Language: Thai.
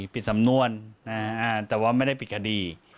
ปิดสำนวนแต่ว่าไม่ได้ปิดคดี